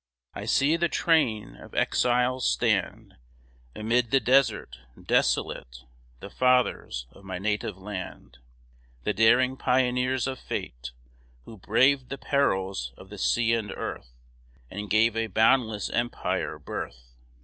I see the train of exiles stand, Amid the desert, desolate, The fathers of my native land, The daring pioneers of fate, Who braved the perils of the sea and earth, And gave a boundless empire birth.